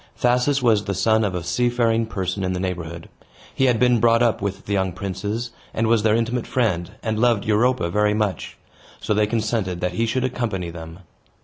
Thasus was the son of a seafaring person in the neighborhood; he had been brought up with the young princes, and was their intimate friend, and loved Europa very much; so they consented that he should accompany them.